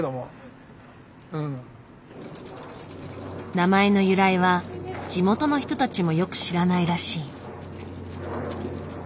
名前の由来は地元の人たちもよく知らないらしい。